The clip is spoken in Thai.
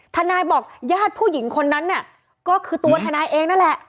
ทนายบอกญาติผู้หญิงคนนั้นน่ะก็คือตัวทนายเองนั่นแหละ